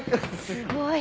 すごい。